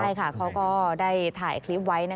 ใช่ค่ะเขาก็ได้ถ่ายคลิปไว้